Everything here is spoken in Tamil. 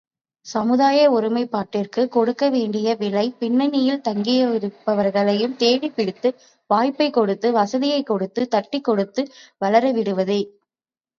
சமுதாய ஒருமைப்பாட்டிற்குக் கொடுக்க வேண்டிய விலை, பின்னணியில் தயங்குகிறவர்களையும் தேடிப்பிடித்து, வாய்ப்பைக் கொடுத்து, வசதியைப் பெருக்கி, தட்டிக்கொடுத்து வளரவிடுவதே.